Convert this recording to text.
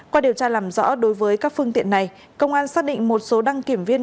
qua điều tra làm rõ đối với các phương tiện này công an xác định một số đăng kiểm viên